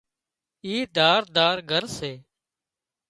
اِي ڌار ڌار گھر سي